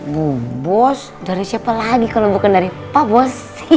tuh bos dari siapa lagi kalo bukan dari pa bos